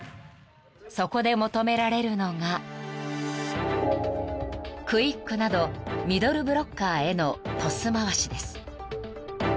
［そこで求められるのがクイックなどミドルブロッカーへのトス回しです］